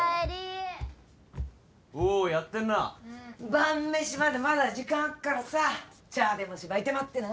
晩飯までまだ時間あっからさ茶でもしばいて待ってな。